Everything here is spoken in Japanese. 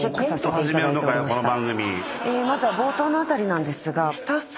まずは冒頭の辺りなんですが。